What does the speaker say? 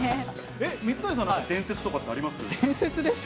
水谷さんはなんか伝説とかってあります？